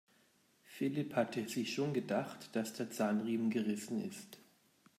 Philipp hatte sich schon gedacht, dass der Zahnriemen gerissen ist.